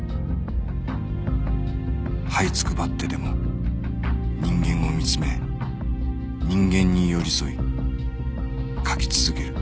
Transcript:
這いつくばってでも人間を見つめ人間に寄り添い書き続ける